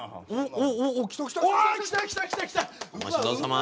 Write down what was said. お待ち遠さま。